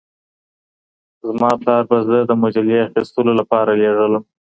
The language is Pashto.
زما پلار به زه د مجلې اخیستلو لپاره لېږلم.